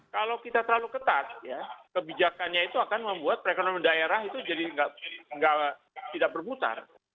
kalau kita terlalu ketat kebijakannya itu akan membuat perekonomian daerah itu jadi tidak berputar